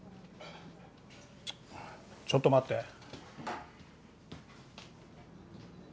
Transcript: ちょっと待って。